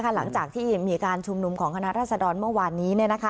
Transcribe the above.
หลังจากที่มีการชุมนุมของคณะรัศดรเมื่อวานนี้